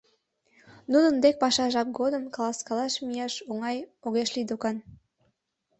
Нунын дек паша жап годым каласкалаш мияш оҥай огеш лий докан.